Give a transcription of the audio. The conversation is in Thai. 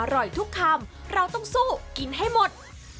อร่อยทุกคำเราต้องสู้กินให้หมด